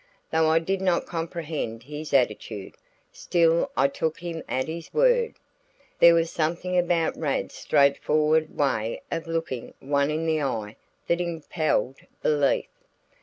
Though I did not comprehend his attitude, still I took him at his word. There was something about Rad's straightforward way of looking one in the eye that impelled belief.